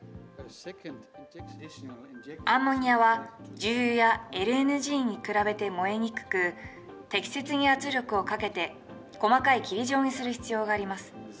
アンモニアは重油やＬＮＧに比べて燃えにくく、適切に圧力をかけて、細かい霧状にする必要があります。